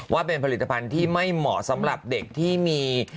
ว่าเป็นผลิตภัณฑ์ที่ไม่เหมาะสำหรับเด็กที่มี